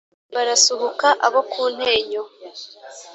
Barasuhuka abo ku Ntenyo